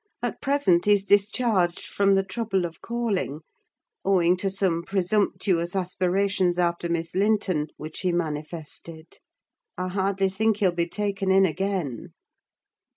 At present he's discharged from the trouble of calling; owing to some presumptuous aspirations after Miss Linton which he manifested. I hardly think he'll be taken in again."